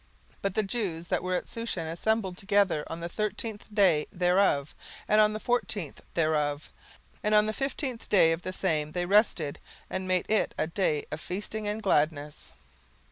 17:009:018 But the Jews that were at Shushan assembled together on the thirteenth day thereof, and on the fourteenth thereof; and on the fifteenth day of the same they rested, and made it a day of feasting and gladness.